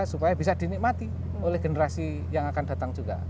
supaya bisa dinikmati oleh generasi yang akan datang juga